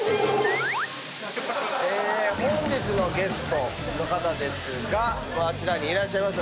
・え本日のゲストの方ですがもうあちらにいらっしゃいます。